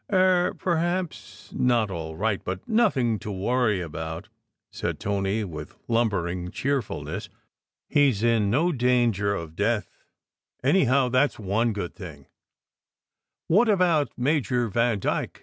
"Er perhaps not all right, but nothing to worry about," said Tony, with lumbering cheerfulness. "He s in no danger of death, anyhow, that s one good thing." SECRET HISTORY 119 "What about Major Vandyke?"